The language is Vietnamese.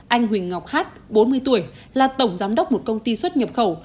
anh huỳnh ngọc hát bốn mươi tuổi là tổng giám đốc một công ty xuất nhập khẩu